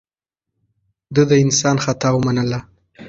ده د انسان خطا منله.